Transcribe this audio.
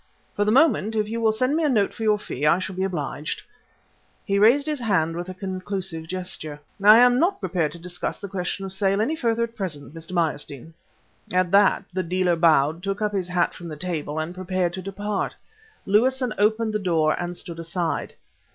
For the moment if you will send me a note of your fee, I shall be obliged." He raised his hand with a conclusive gesture. "I am not prepared to discuss the question of sale any further at present, Mr. Meyerstein." At that the dealer bowed, took up his hat from the table, and prepared to depart. Lewison opened the door and stood aside.